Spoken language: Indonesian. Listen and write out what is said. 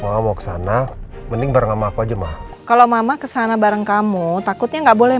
mau kesana mending bareng sama aku aja mah kalau mama kesana bareng kamu takutnya nggak boleh